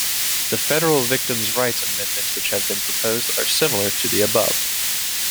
The federal victims' rights amendments which have been proposed are similar to the above.